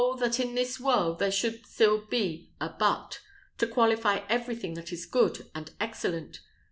that in this world there should still be a but, to qualify everything that is good and excellent!